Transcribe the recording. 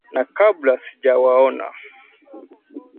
na kabla sijawaona